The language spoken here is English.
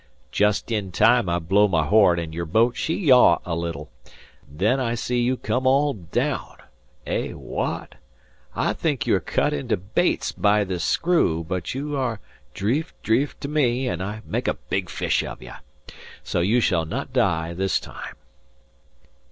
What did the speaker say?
"Just in time I blow my horn, and your boat she yaw a little. Then I see you come all down. Eh, wha at? I think you are cut into baits by the screw, but you dreeft dreeft to me, and I make a big fish of you. So you shall not die this time."